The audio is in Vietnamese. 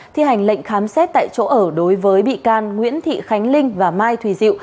thi hành lệnh khám xét tại chỗ ở đối với bị can nguyễn thị khánh linh và mai thùy diệu